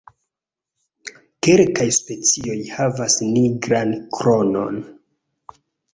Kelkaj specioj havas nigran kronon.